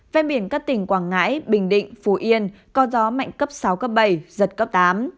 ven biển các tỉnh quảng ngãi bình định phú yên có gió mạnh cấp sáu cấp bảy giật cấp tám